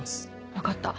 分かった。